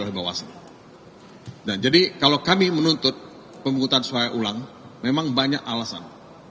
bawaslu dan jadi kalau kami menuntut pemungutan suara ulang memang banyak alasan